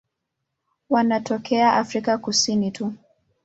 Wanatokea Afrika Kusini tu.